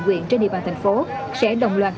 nguyện trên địa bàn thành phố sẽ đồng loạt